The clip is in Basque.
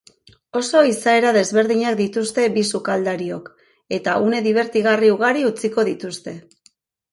Oso izaera desberdinak dituzte bi sukaldariok, eta une dibertigarri ugari utziko dituzte.